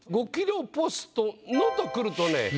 「５ｋｍポストの」とくるとね